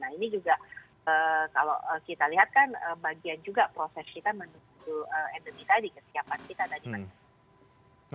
nah ini juga kalau kita lihat kan bagian juga proses kita menuju endemi tadi kesiapan kita tadi mas